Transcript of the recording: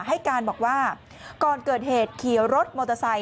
ให้การบอกว่าก่อนเกิดเหตุขี่รถมอเตอร์ไซค